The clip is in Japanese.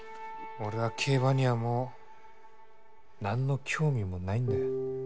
俺は競馬にはもうなんの興味もないんだ。